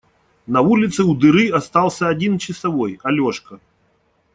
На улице у дыры остался один часовой – Алешка.